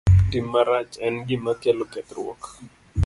Tim marach en gima kelo kethruok.